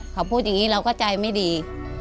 เขาพูดอย่างนี้เราก็ใจไม่ดี